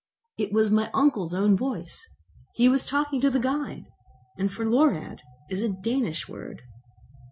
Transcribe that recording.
It was my uncle's own voice! He was talking to the guide. And 'forlorad' is a Danish word.